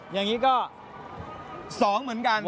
อย่างนี้ก็๒เหมือนกัน